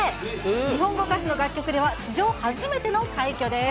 日本語歌詞の楽曲では、史上初めての快挙です。